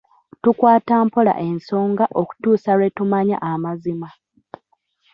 Tukwata mpola ensonga okutuusa lwe tumanya amazima.